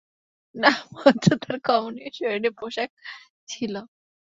নামমাত্র তার কমনীয় শরীরে পোশাক ছিল।